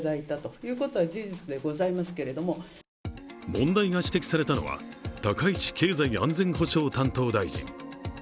問題が指摘されたのは高市経済安全保障担当大臣。